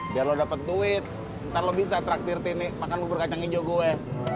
biar lo dapet duit ntar lo bisa traktir tini makan lubur kacang hijau gue